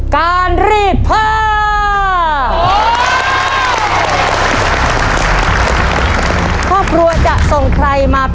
ครอบครัวของแม่ปุ้ยจังหวัดสะแก้วนะครับ